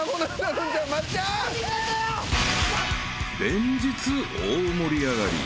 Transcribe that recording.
［連日大盛り上がり］